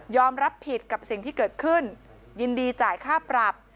รับผิดกับสิ่งที่เกิดขึ้นยินดีจ่ายค่าปรับ